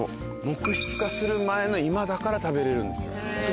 木質化する前の今だから食べれるんですよ。